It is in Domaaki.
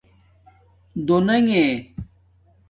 دونِݣہ